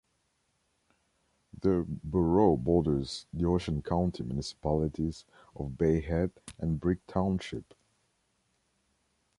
The borough borders the Ocean County municipalities of Bay Head and Brick Township.